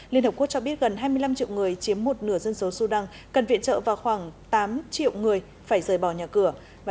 liên hợp quốc cho biết gần hai mươi năm triệu người chiếm một nửa dân số sudan cần viện trợ và khoảng tám triệu người phải rời bỏ nhà cửa